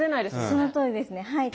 そのとおりですねはい。